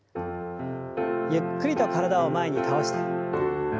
ゆっくりと体を前に倒して。